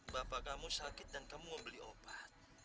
bapak kamu sakit dan kamu mau beli obat